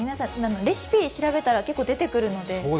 レシピ調べたら結構出てくるので。